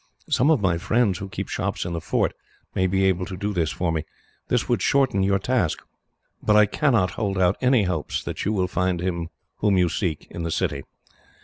Some of my friends, who keep shops in the fort, may be able to do this for me. This would shorten your task. "But I cannot hold out any hopes that you will find him whom you seek in the city.